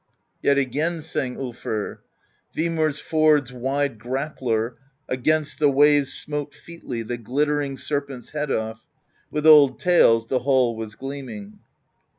Yet again sang Ulfr: Vimur's ford's Wide Grappler 'Gainst the waves smote featly The glittering Serpent's head ofF. With old tales the hall was gleaming.